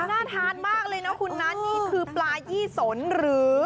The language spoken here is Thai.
น่าทานมากเลยนะคุณนะนี่คือปลายี่สนหรือ